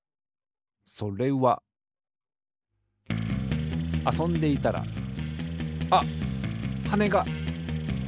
それはあそんでいたらあっはねが！